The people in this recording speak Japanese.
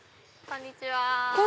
こんにちは。